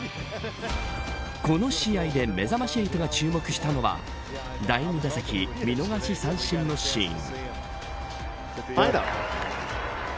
この試合でめざまし８が注目したのは第２打席見逃し三振のシーン。